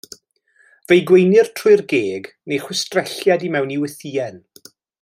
Fe'i gweinir trwy'r geg neu chwistrelliad i mewn i wythïen.